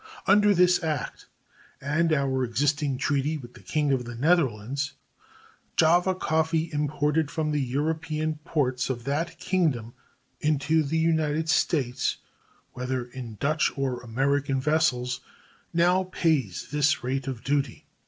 Under this act and our existing treaty with the King of the Netherlands Java coffee imported from the European ports of that Kingdom into the United States, whether in Dutch or American vessels, now pays this rate of duty.